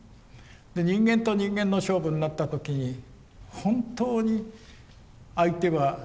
で人間と人間の勝負になった時に本当に相手は話しますね。